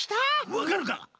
わかるか！？